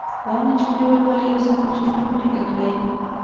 لاندې جملې ولولئ او سمه جمله په نښه کړئ.